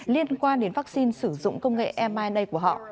liên quan đến vaccine sử dụng công nghệ myna của họ